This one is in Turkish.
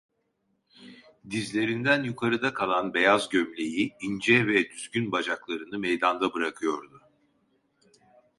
Dizlerinden yukarıda kalan beyaz gömleği ince ve düzgün bacaklarını meydanda bırakıyordu.